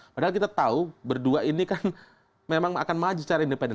padahal kita tahu berdua ini kan memang akan maju secara independen